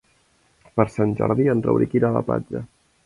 Per Sant Jordi en Rauric irà a la platja.